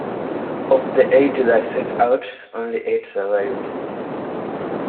Of the Eighty that set out, only eight survived.